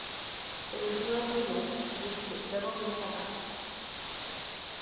C'est le joueur lui-même qui décide d'abandonner la partie.